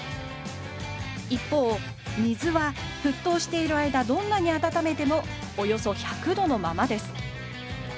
一方水は沸騰している間どんなに温めてもおよそ１００度のままです